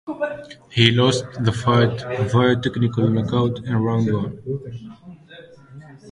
He lost the fight via technical knockout in round one.